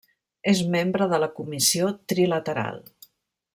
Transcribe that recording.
És membre de la Comissió Trilateral.